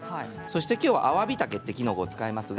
きょうは、あわびたけというきのこを使います。